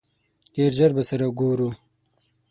ډېر ژر به سره ګورو!